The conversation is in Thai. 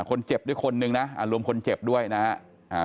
คนเจ็บด้วยคนนึงนะรวมคนเจ็บด้วยนะฮะ